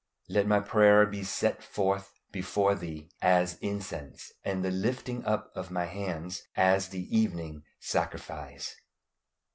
"LET MY PRAYER BE SET FORTH BEFORE THEE AS INCENSE: AND THE LIFTING UP OF MY HANDS AS THE EVENING SACRIFICE."